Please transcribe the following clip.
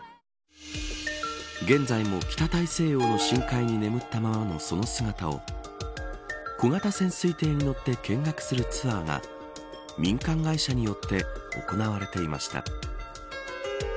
現在も北大西洋の深海に眠ったままのその姿を小型潜水艇に乗って見学するツアーが民間会社によって行われていました。